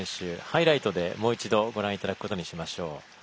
ハイライトでもう一度ご覧いただくことにしましょう。